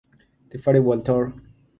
The Farewell Tour".